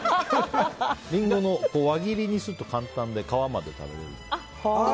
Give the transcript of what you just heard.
リンゴを輪切りにすると簡単で皮まで食べられる。